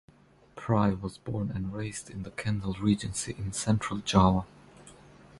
Prie was born and raised in the Kendal Regency in Central Java.